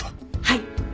はい。